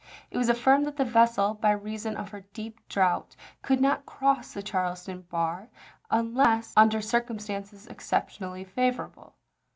It was affirmed that the vessel by reason of her deep draught could not cross the Charleston bar, unless under circumstances exceptionally favorable.